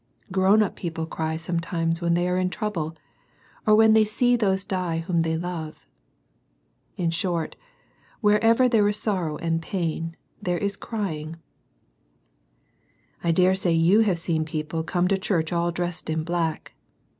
Grown up people cry sometimes when they are in trouble, or when they see those die whom they love. In short, wherever there is sorrow and pain, there is " crying." I dare say you have seen people come to church all dressed in black.